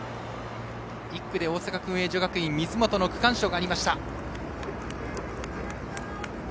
１区で大阪薫英女学院水本の区間賞がありました。